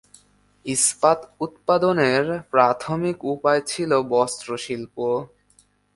ইস্পাত উৎপাদনের প্রাথমিক উপায় ছিল বস্ত্রশিল্প।